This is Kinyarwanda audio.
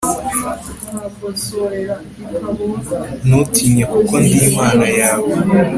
Ntutinye kuko ndi imana yawe